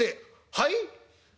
「はい？